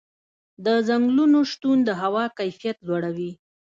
د ځنګلونو شتون د هوا کیفیت لوړوي.